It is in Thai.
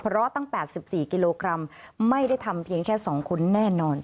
เพราะตั้ง๘๔กิโลกรัมไม่ได้ทำเพียงแค่๒คนแน่นอน